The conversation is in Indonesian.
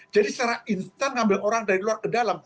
jadi secara instan ngambil orang dari luar ke dalam